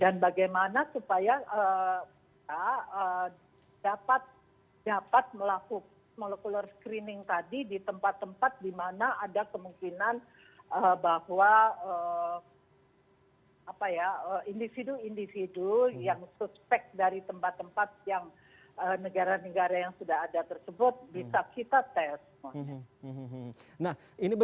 dan bagaimana supaya kita dapat melakukan molecular screening tadi di tempat tempat di mana ada kemungkinan bahwa apa ya individu individu yang suspek dari tempat tempat yang negara negara yang sudah ada tersebut bisa kita tes